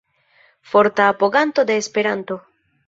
Forta apoganto de Esperanto.